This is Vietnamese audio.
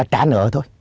trả nợ thôi